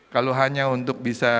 kalau hanya untuk bisa